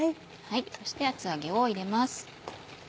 そして厚揚げを入れます。